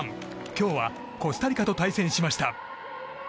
今日はコスタリカと対戦しました。